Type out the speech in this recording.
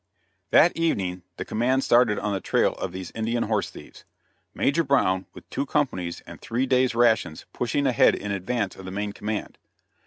That evening the command started on the trail of these Indian horse thieves; Major Brown with two companies and three days rations pushing ahead in advance of the main command.